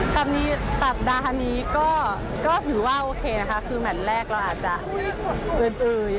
สัปดาห์ทันีก็ถือว่าโอเคนะครับคือแหมดแรกเราอาจจะอื่น